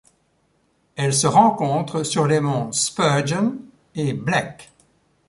Elle se rencontre sur les monts Spurgeon et Black.